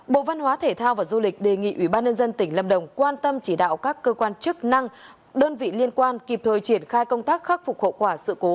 bộ văn hóa thể thao và du lịch đề nghị ủy ban nhân dân tỉnh lâm đồng quan tâm chỉ đạo các cơ quan chức năng đơn vị liên quan kịp thời triển khai công tác khắc phục hậu quả sự cố